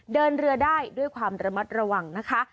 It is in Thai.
เดินเรือได้ด้วยความระมัดระวังนะคะ